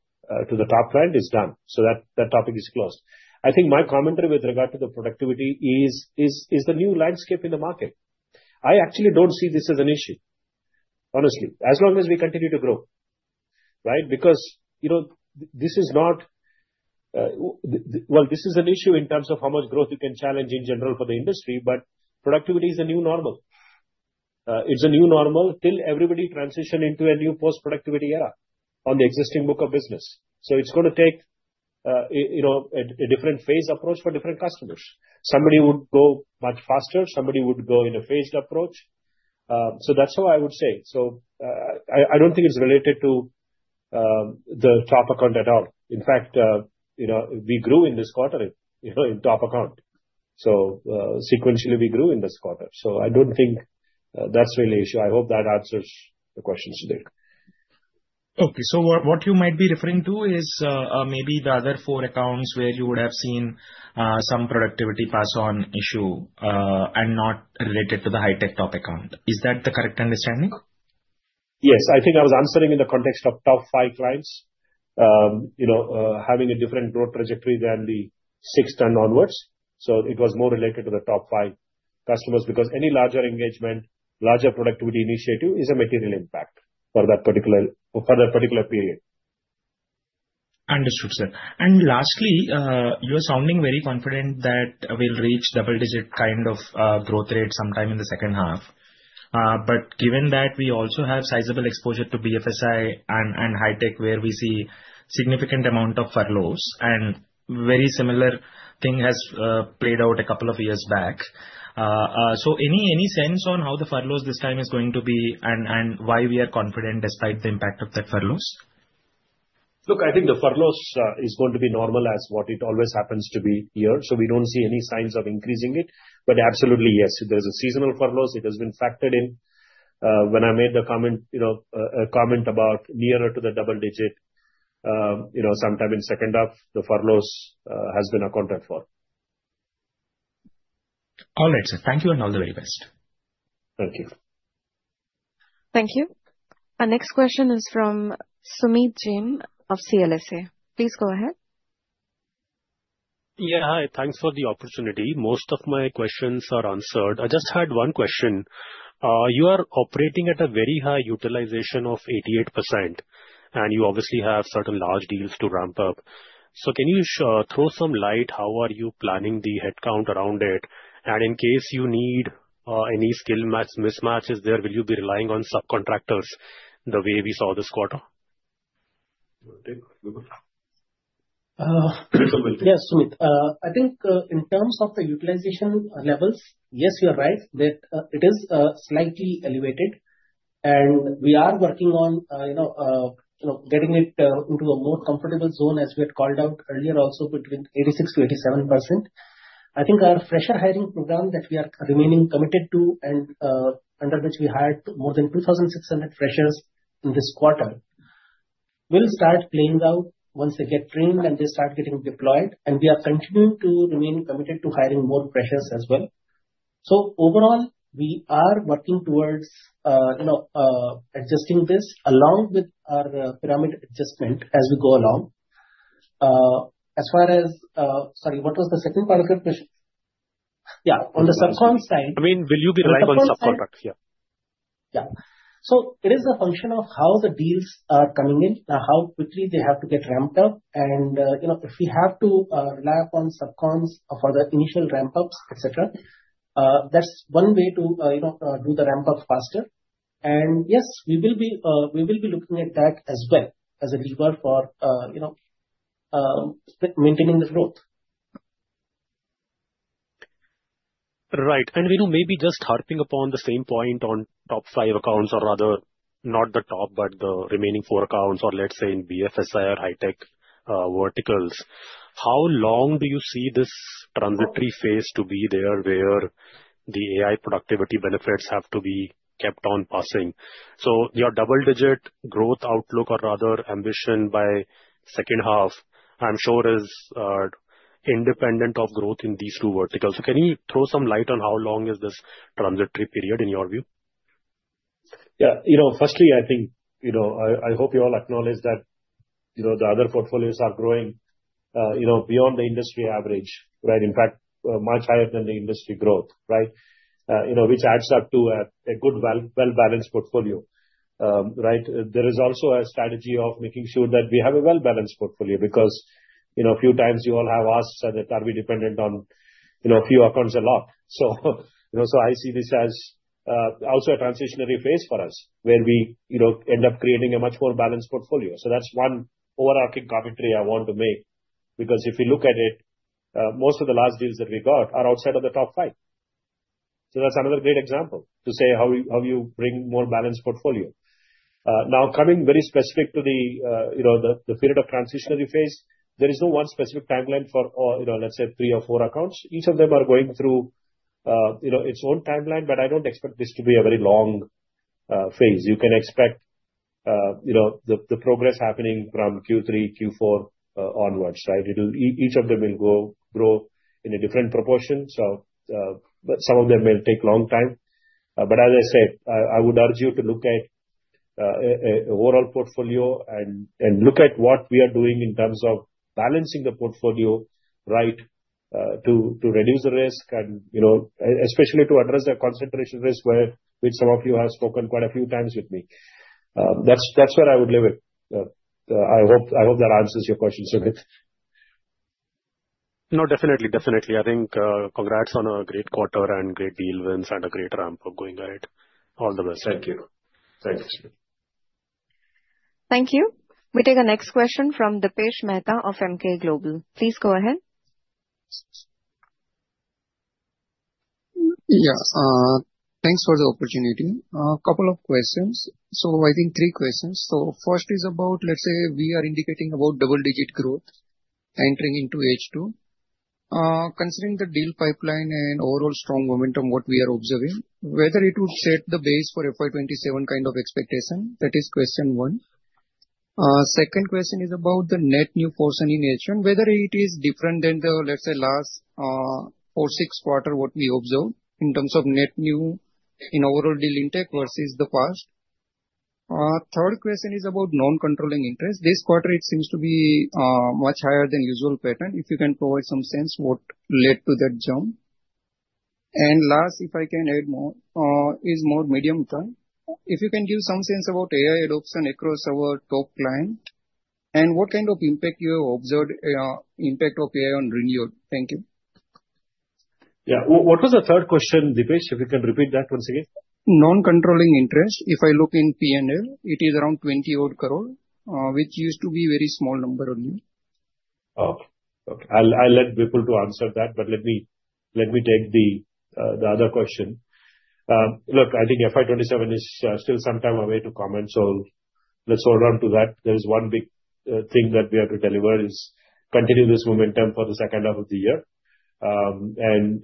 to the top client is done. So that topic is closed. I think my commentary with regard to the productivity is the new landscape in the market. I actually don't see this as an issue, honestly, as long as we continue to grow, right? Because this is not well, this is an issue in terms of how much growth you can challenge in general for the industry, but productivity is a new normal. It's a new normal till everybody transitions into a new post-productivity era on the existing book of business. So it's going to take a different phase approach for different customers. Somebody would go much faster. Somebody would go in a phased approach. So that's how I would say. So I don't think it's related to the top account at all. In fact, we grew in this quarter in top account. So sequentially, we grew in this quarter. So I don't think that's really an issue. I hope that answers the question, Sudheer. Okay. So what you might be referring to is maybe the other four accounts where you would have seen some productivity pass-on issue and not related to the high-tech top account. Is that the correct understanding? Yes. I think I was answering in the context of top five clients having a different growth trajectory than the sixth and onwards. So it was more related to the top five customers because any larger engagement, larger productivity initiative is a material impact for that particular period. Understood, sir, and lastly, you are sounding very confident that we'll reach double-digit kind of growth rate sometime in the second half, but given that we also have sizable exposure to BFSI and high-tech where we see significant amount of furloughs, and a very similar thing has played out a couple of years back, so any sense on how the furloughs this time is going to be and why we are confident despite the impact of that furloughs? Look, I think the furloughs is going to be normal as what it always happens to be here. So we don't see any signs of increasing it. But absolutely, yes. There's a seasonal furlough. It has been factored in. When I made the comment about nearer to the double-digit sometime in second half, the furloughs have been accounted for. All right, sir. Thank you, and all the very best. Thank you. Thank you. Our next question is from Sumeet Jain of CLSA. Please go ahead. Yeah. Hi. Thanks for the opportunity. Most of my questions are answered. I just had one question. You are operating at a very high utilization of 88%, and you obviously have certain large deals to ramp up. So can you throw some light? How are you planning the headcount around it? And in case you need any skill mismatches there, will you be relying on subcontractors the way we saw this quarter? Yes, Sumeet. I think in terms of the utilization levels, yes, you're right that it is slightly elevated, and we are working on getting it into a more comfortable zone, as we had called out earlier, also between 86%-87%. I think our fresher hiring program that we are remaining committed to and under which we hired more than 2,600 freshers in this quarter will start playing out once they get trained and they start getting deployed, and we are continuing to remain committed to hiring more freshers as well, so overall, we are working towards adjusting this along with our pyramid adjustment as we go along. As far as, sorry, what was the second part of your question? Yeah. On the subcontractor side. I mean, will you be relying on subcontractors? Yeah. Yeah. So it is a function of how the deals are coming in, how quickly they have to get ramped up. And if we have to rely upon subcontractors for the initial ramp-ups, etc., that's one way to do the ramp-up faster. And yes, we will be looking at that as well as a lever for maintaining the growth. Right. And Venu maybe just harping upon the same point on top five accounts or rather not the top, but the remaining four accounts or let's say in BFSI or high-tech verticals, how long do you see this transitory phase to be there where the AI productivity benefits have to be kept on passing? So your double-digit growth outlook or rather ambition by second half, I'm sure, is independent of growth in these two verticals. So can you throw some light on how long is this transitory period in your view? Yeah. Firstly, I think I hope you all acknowledge that the other portfolios are growing beyond the industry average, right? In fact, much higher than the industry growth, right? Which adds up to a good, well-balanced portfolio, right? There is also a strategy of making sure that we have a well-balanced portfolio because a few times you all have asked that are we dependent on a few accounts a lot. So I see this as also a transitionary phase for us where we end up creating a much more balanced portfolio. So that's one overarching commentary I want to make because if you look at it, most of the large deals that we got are outside of the top five. So that's another great example to say how you bring more balanced portfolio. Now, coming very specific to the period of transitionary phase, there is no one specific timeline for, let's say, three or four accounts. Each of them are going through its own timeline, but I don't expect this to be a very long phase. You can expect the progress happening from Q3, Q4 onwards, right? Each of them will grow in a different proportion. So some of them may take a long time. But as I said, I would urge you to look at an overall portfolio and look at what we are doing in terms of balancing the portfolio right to reduce the risk and especially to address the concentration risk where some of you have spoken quite a few times with me. That's where I would leave it. I hope that answers your question, Sumeet. No, definitely. Definitely. I think congrats on a great quarter and great deal wins and a great ramp-up going ahead. All the best. Thank you. Thanks. Thank you. We take our next question from Dipesh Mehta of Emkay Global. Please go ahead. Yeah. Thanks for the opportunity. A couple of questions. So I think three questions. So first is about, let's say, we are indicating about double-digit growth entering into H2. Considering the deal pipeline and overall strong momentum, what we are observing, whether it would set the base for FY 2027 kind of expectation, that is question one. Second question is about the net new force in H1, whether it is different than the, let's say, last four, six quarters, what we observed in terms of net new in overall deal intake versus the past. Third question is about non-controlling interest. This quarter, it seems to be much higher than usual pattern. If you can provide some sense what led to that jump. And last, if I can add more, is more medium-term, if you can give some sense about AI adoption across our top client and what kind of impact you have observed impact of AI on renewal? Thank you. Yeah. What was the third question, Dipesh? If you can repeat that once again. Non-controlling interest, if I look in P&L, it is around 20-odd crore, which used to be a very small number only. Okay. I'll let Vipul to answer that, but let me take the other question. Look, I think FY 2027 is still sometime away to comment, so let's hold on to that. There is one big thing that we have to deliver is continue this momentum for the second half of the year and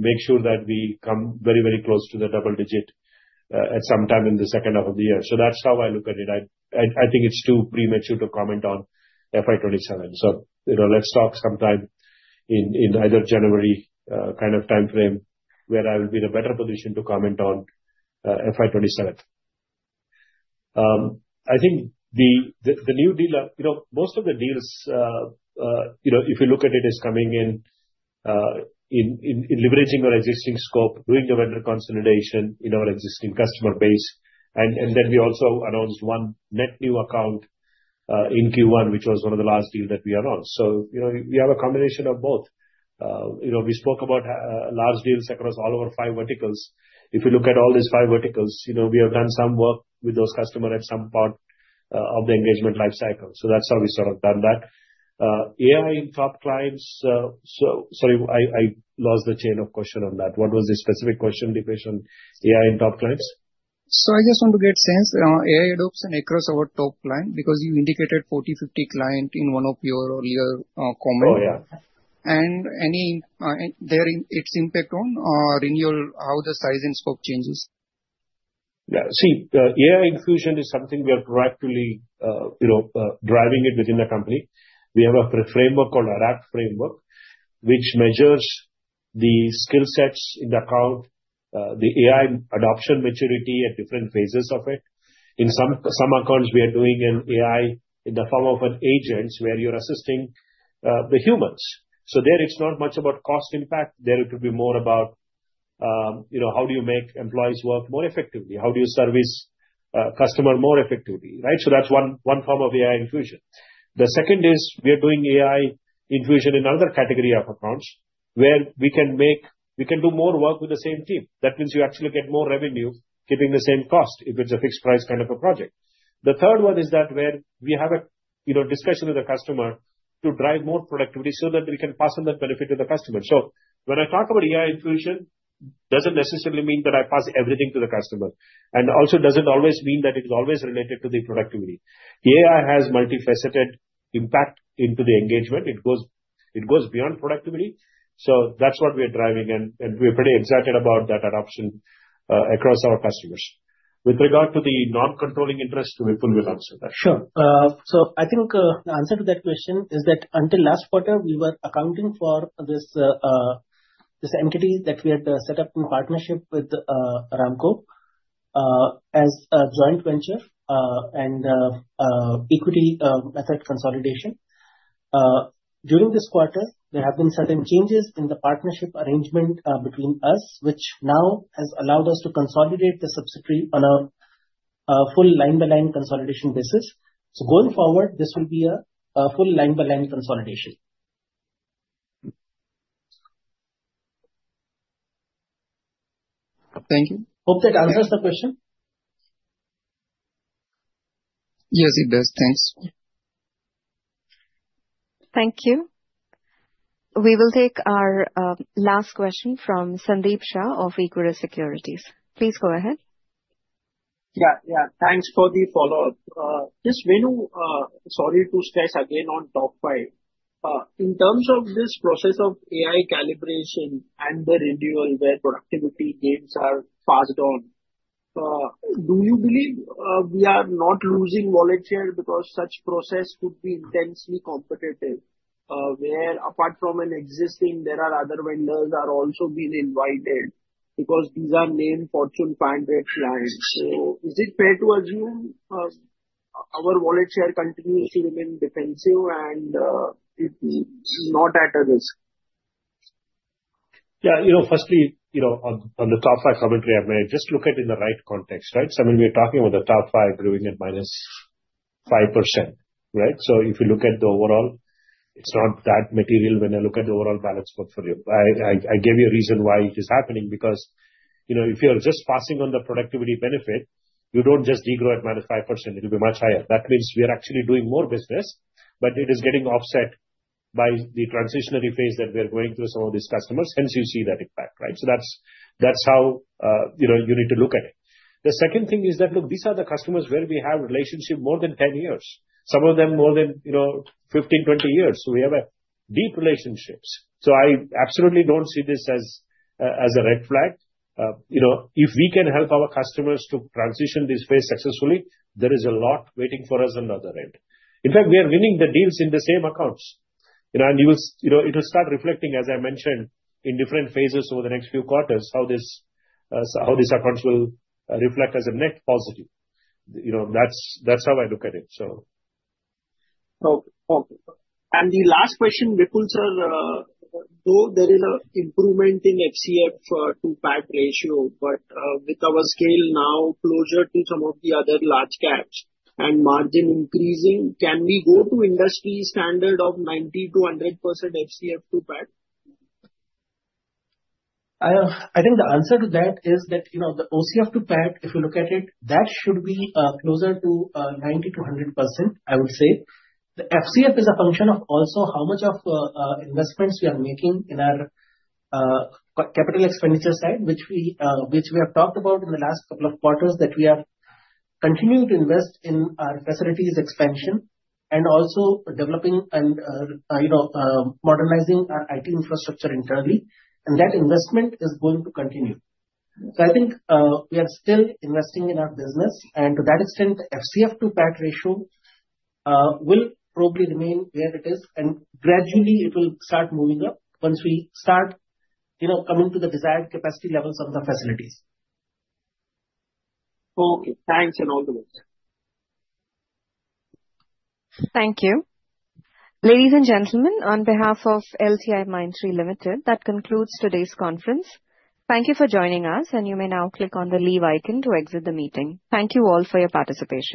make sure that we come very, very close to the double-digit at some time in the second half of the year, so that's how I look at it. I think it's too premature to comment on FY 2027, so let's talk sometime in either January kind of timeframe where I will be in a better position to comment on FY 2027. I think the new deal, most of the deals, if you look at it, is coming in leveraging our existing scope, doing the vendor consolidation in our existing customer base. And then we also announced one net new account in Q1, which was one of the last deals that we announced. So we have a combination of both. We spoke about large deals across all of our five verticals. If you look at all these five verticals, we have done some work with those customers at some part of the engagement lifecycle. So that's how we sort of done that. AI in top clients. Sorry, I lost the chain of question on that. What was the specific question, Dipesh, on AI in top clients? So I just want to get sense on AI adoption across our top client because you indicated 40-50 clients in one of your earlier comments, and its impact on renewal, how the size and scope changes? Yeah. See, AI infusion is something we are proactively driving within the company. We have a framework called ARAP framework, which measures the skill sets in the account, the AI adoption maturity at different phases of it. In some accounts, we are doing an AI in the form of an agent where you're assisting the humans. So there, it's not much about cost impact. There it would be more about how do you make employees work more effectively? How do you service customers more effectively? Right? So that's one form of AI infusion. The second is we are doing AI infusion in another category of accounts where we can do more work with the same team. That means you actually get more revenue keeping the same cost if it's a fixed price kind of a project. The third one is that, where we have a discussion with the customer to drive more productivity so that we can pass on that benefit to the customer, so when I talk about AI infusion, it doesn't necessarily mean that I pass everything to the customer, and also doesn't always mean that it is always related to the productivity. AI has multifaceted impact into the engagement. It goes beyond productivity, so that's what we are driving, and we are pretty excited about that adoption across our customers. With regard to the non-controlling interest, Vipul will answer that. Sure, so I think the answer to that question is that until last quarter, we were accounting for this entity that we had set up in partnership with Aramco as a joint venture and equity asset consolidation. During this quarter, there have been certain changes in the partnership arrangement between us, which now has allowed us to consolidate the subsidiary on a full line-by-line consolidation basis, so going forward, this will be a full line-by-line consolidation. Thank you. Hope that answers the question. Yes, it does. Thanks. Thank you. We will take our last question from Sandeep Shah of Equirus Securities. Please go ahead. Yeah. Yeah. Thanks for the follow-up. Just, sorry to stress again on top five. In terms of this process of AI calibration and the renewal where productivity gains are passed on, do you believe we are not losing volumes because such process would be intensely competitive where, apart from an existing, there are other vendors that are also being invited because these are named Fortune 500 clients? So is it fair to assume our volume continues to remain defensive and not at a risk? Yeah. Firstly, on the top five commentary, I may just look at it in the right context, right? I mean, we're talking about the top five growing at -5%, right? So if you look at the overall, it's not that material when I look at the overall balance portfolio. I gave you a reason why it is happening because if you're just passing on the productivity benefit, you don't just degrow at minus 5%. It will be much higher. That means we are actually doing more business, but it is getting offset by the transitionary phase that we are going through some of these customers, hence you see that impact, right, so that's how you need to look at it. The second thing is that, look, these are the customers where we have a relationship of more than 10 years. Some of them more than 15, 20 years, so we have deep relationships, so I absolutely don't see this as a red flag. If we can help our customers to transition this phase successfully, there is a lot waiting for us on the other end. In fact, we are winning the deals in the same accounts. And it will start reflecting, as I mentioned, in different phases over the next few quarters how these accounts will reflect as a net positive. That's how I look at it, so. And the last question, Vipul sir, though there is an improvement in FCF to PAT ratio, but with our scale now closer to some of the other large caps and margin increasing, can we go to industry standard of 90%-100% FCF to PAT? I think the answer to that is that the OCF to PAT, if you look at it, that should be closer to 90%-100%, I would say. The FCF is a function of also how much of investments we are making in our capital expenditure side, which we have talked about in the last couple of quarters that we are continuing to invest in our facilities expansion and also developing and modernizing our IT infrastructure internally. And that investment is going to continue. So I think we are still investing in our business. And to that extent, the FCF to PAT ratio will probably remain where it is. And gradually, it will start moving up once we start coming to the desired capacity levels of the facilities. Okay. Thanks and all the best. Thank you. Ladies and gentlemen, on behalf of LTIMindtree Limited, that concludes today's conference. Thank you for joining us, and you may now click on the leave icon to exit the meeting. Thank you all for your participation.